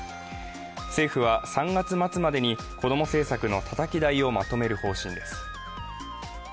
政府は３月末までに子ども政策のたたき台をまとめる方針です。